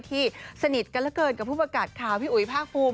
ที่สนิทกันเหลือเกินกับผู้ประกาศข่าวพี่อุ๋ยภาคภูมิ